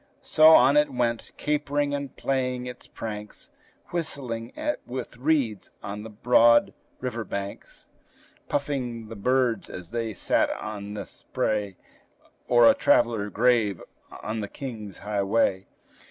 So on it went, capering and playing its pranks; Whistling with reeds on the broad river banks; Puffing the birds, as they sat on the spray, Or the traveler grave on the King's highway.